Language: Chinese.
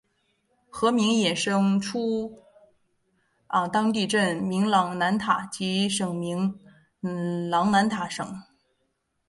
河名衍生出当地镇名琅南塔及省名琅南塔省。